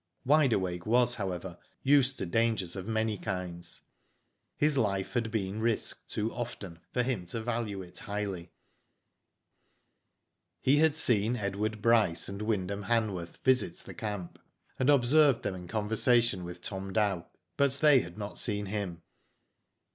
Wide Awake was, however, used to dangers of ,many kinds. His life had been risked too often for him to value it highly. G Digitized byGoogk 82 WHO DID ITf He had seen Edward Bryce and Wyndham Hanworth visit the camp, and observed them in conversation with Tom Dow, but they had not seen him.